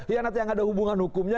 pengkhianat yang ada hubungan hukumnya